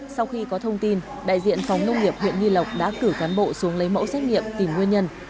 sau khi có thông tin đại diện phòng nông nghiệp huyện nghi lộc đã cử cán bộ xuống lấy mẫu xét nghiệm tìm nguyên nhân